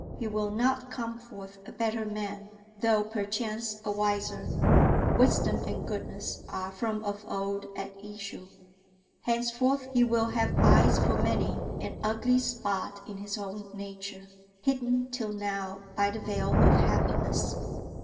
He will not come forth a better man, though perchance a wiser; wisdom and goodness are from of old at issue. Henceforth he will have eyes for many an ugly spot in his own nature, hidden till now by the veil of happiness.